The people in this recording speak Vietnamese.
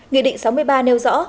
nghị định sáu mươi ba nêu rõ